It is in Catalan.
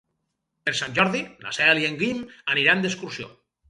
Per Sant Jordi na Cel i en Guim aniran d'excursió.